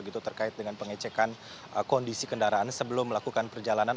terkait dengan pengecekan kondisi kendaraan sebelum melakukan perjalanan